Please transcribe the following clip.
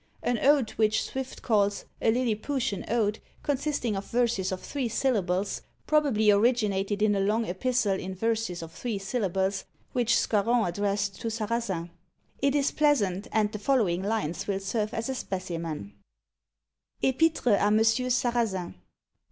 An ode which Swift calls "A Lilliputian Ode," consisting of verses of three syllables, probably originated in a long epistle in verses of three syllables, which Scarron addressed to Sarrazin. It is pleasant, and the following lines will serve as a specimen: _Epître à M. Sarrazin.